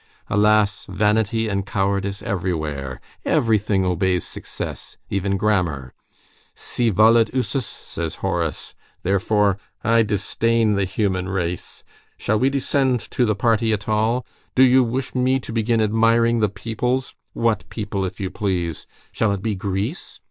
Alas, vanity and cowardice everywhere. Everything obeys success, even grammar. Si volet usus, says Horace. Therefore I disdain the human race. Shall we descend to the party at all? Do you wish me to begin admiring the peoples? What people, if you please? Shall it be Greece?